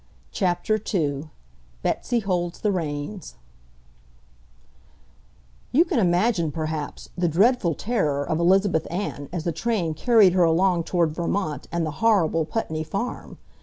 CHAPTER II BETSY HOLDS THE REINS You can imagine, perhaps, the dreadful terror of Elizabeth Ann as the train carried her along toward Vermont and the horrible Putney Farm!